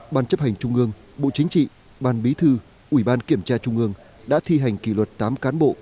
ban chấp hành trung ương bộ chính trị ban bí thư ủy ban kiểm tra trung ương đã thi hành kỷ luật tám cán bộ